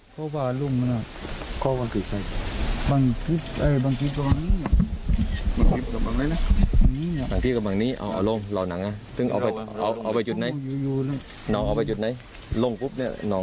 เกี่ยวกับคุดไหมไม่คุดคือต้มหลิ้นแหละ